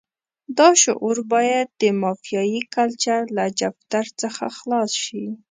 دا شعور باید د مافیایي کلچر له جفتر څخه خلاص شي.